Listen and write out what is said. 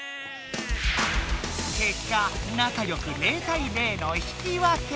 けっか仲よく０対０の引き分け！